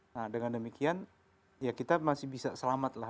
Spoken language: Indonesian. nah dengan demikian ya kita masih bisa selamat lah